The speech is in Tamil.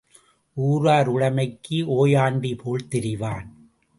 ஊரார் உடைமைக்கு ஓயாண்டி போல் திரிவான்.